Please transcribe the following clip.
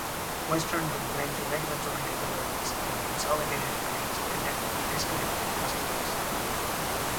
Western complained to regulatory authorities, and Consolidated agreed to connect the disconnected customers.